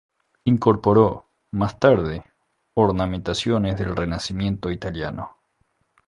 Incorporó, más tarde, ornamentaciones del Renacimiento italiano.